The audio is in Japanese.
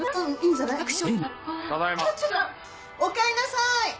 あっおかえりなさい。